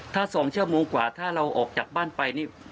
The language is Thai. ถ้า๒ชั่วโมงกว่าถ้าเราออกจากบ้านไปนี่